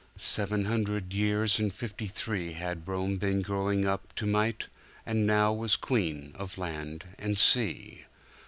Seven hundred years and fifty threeHad Rome been growing up to might, And now was queen of land and sea.